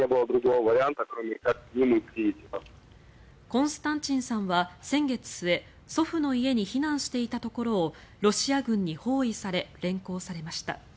コンスタンチンさんは先月末祖父の家に避難していたところをロシア軍に包囲され連行されました。